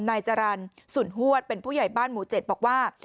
นายจรรย์สุนฮวดเป็นผู้ใหญ่บ้านหมู่๗บอกว่า